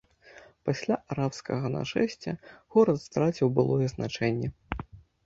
Пасля арабскага нашэсця горад страціў былое значэнне.